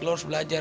lo harus belajar